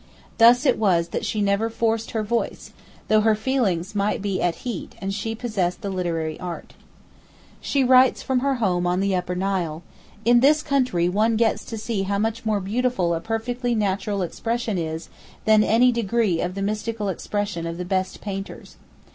Thus it was that she never forced her voice, though her feelings might be at heat and she possessed the literary art. She writes from her home on the Upper Nile: 'In this country one gets to see how much more beautiful a perfectly natural expression is than any degree of the mystical expression of the best painters.